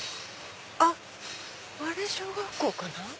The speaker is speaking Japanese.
あっあれ小学校かな。